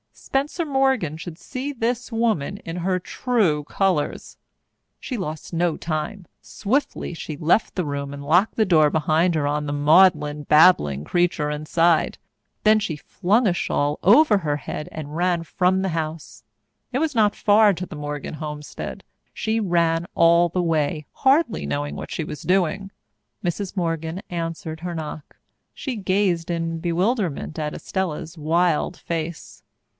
Spencer Morgan should see this woman in her true colours. She lost no time. Swiftly she left the room and locked the door behind her on the maudlin, babbling creature inside. Then she flung a shawl over her head and ran from the house. It was not far to the Morgan homestead. She ran all the way, hardly knowing what she was doing. Mrs. Morgan answered her knock. She gazed in bewilderment at Estella's wild face.